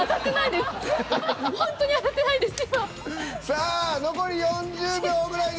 さあ残り４０秒ぐらい。